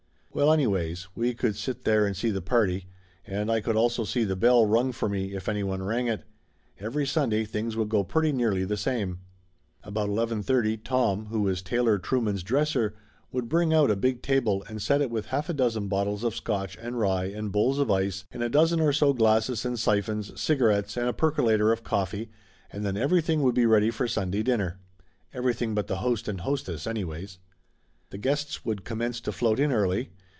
Well anyways, we could sit there and see the party, and I could also see the bell rung for me, if anyone rang it. Every Sunday things would go pretty nearly the same. About 11.30 Tom, who was Taylor Trueman's dresser, would bring out a big table and set it with half a dozen bottles of Scotch and rye and bowls of ice and a dozen or so glasses and siphons, cigarettes and a percolator of coffee, and then everything would be ready for Sunday dinner. Everything but the host and hostess, anyways. The guests would commence to float in early.